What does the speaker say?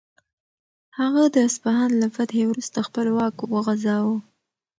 هغه د اصفهان له فتحې وروسته خپل واک وغځاوه.